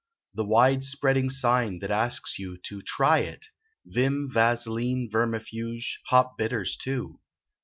The wide spreading sign that asks you to "Try it," Vim, Vaseline, Vermifuge, Hop Bitters, too.